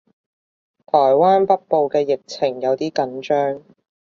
台灣北部嘅疫情有啲緊張